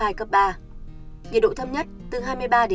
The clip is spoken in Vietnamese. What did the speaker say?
nhiệt độ thâm nhất từ hai mươi ba hai mươi sáu độ